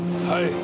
はい。